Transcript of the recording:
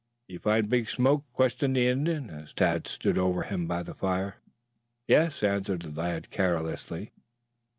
"You find big smoke?" questioned the Indian as Tad stood over him by the fire. "Yes," answered the lad carelessly.